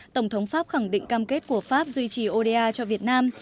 tổng thống pháp khẳng định cam kết của pháp duy trì oda cho việt nam